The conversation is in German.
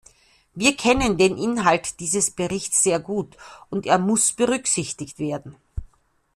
Wir kennen den Inhalt dieses Berichts sehr gut, und er muss berücksichtigt werden.